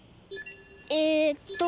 えっと。